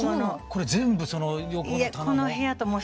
これ全部その横の棚も？